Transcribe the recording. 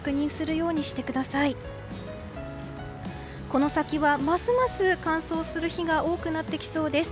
この先はますます乾燥する日が多くなってきそうです。